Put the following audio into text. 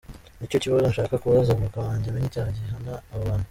Nicyo kibazo nshaka kubaza “avocat” wanjye menye icyaha gihana abo bantu.